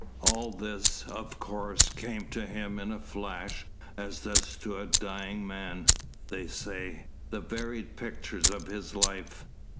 All this, of course, came to him in a flash, as does to a dying man, they say, the varied pictures of his life.